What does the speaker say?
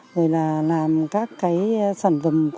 rồi là làm các sản phẩm